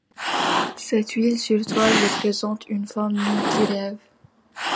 Cette huile sur toile représente une femme nue qui rêve.